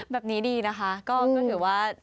แบบนี้ดีนะคะก็ถือว่า